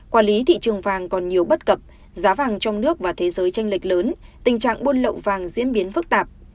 quản lý thị trường vàng còn nhiều bất cập giá vàng trong nước và thế giới tranh lệch lớn tình trạng buôn lậu vàng diễn biến phức tạp